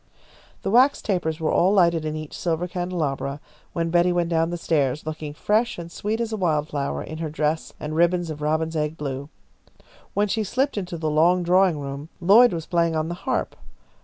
The wax tapers were all lighted in each silver candelabra when Betty went down the stairs, looking fresh and sweet as a wildflower in her dress and ribbons of robin's egg blue. When she slipped into the long drawing room, Lloyd was playing on the harp.